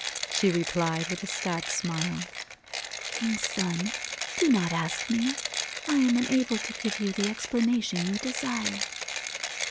She replied, with a sad smile * King's son, do not ask me. I am unable to give you the explanation you desire.'